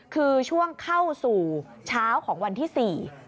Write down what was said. คือช่วงเข้าสู่เช้าของวันที่๔